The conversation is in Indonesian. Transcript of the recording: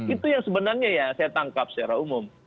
itu yang sebenarnya ya saya tangkap secara umum